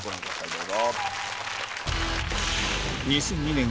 どうぞ。